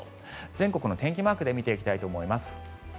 全国の天気マークで見ていきたいと思います。